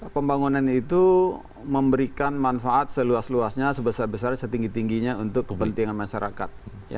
pembangunan itu memberikan manfaat seluas luasnya sebesar besar setinggi tingginya untuk kepentingan masyarakat